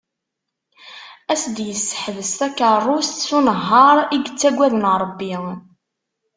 Ad as-d-yesseḥbes takarrust s unehhar i yettagaden Rebbi.